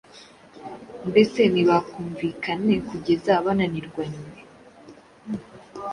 mbese ntibakumvikane kugeza bananirwanywe,